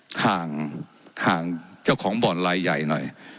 เจ้าหน้าที่ของรัฐมันก็เป็นผู้ใต้มิชชาท่านนมตรี